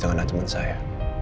kembali ke rumah saya